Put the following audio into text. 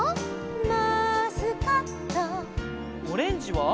「マスカット」「オレンジは」